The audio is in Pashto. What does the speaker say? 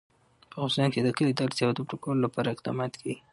په افغانستان کې د کلي د اړتیاوو پوره کولو لپاره اقدامات کېږي.